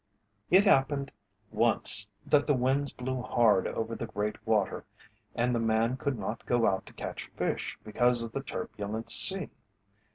It happened once that the winds blew hard over the Great Water and the man could not go out to catch fish because of the turbulent sea.